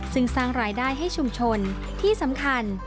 ซึ่งสร้างรายได้ให้ชุมชนที่สำคัญ